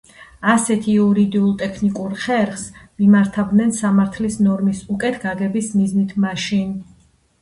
ასეთ იურიდიულ-ტექნიკურ ხერხს მიმართავდნენ სამართლის ნორმის უკეთ გაგების მიზნით მაშინ